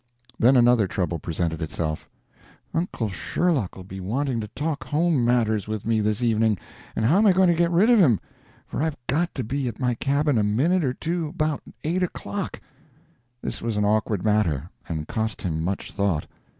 Then another trouble presented itself. "Uncle Sherlock 'll be wanting to talk home matters with me this evening, and how am I going to get rid of him? for I've got to be at my cabin a minute or two about eight o'clock." This was an awkward matter, and cost him much thought.